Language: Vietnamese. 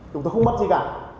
chúng tôi không mất gì cả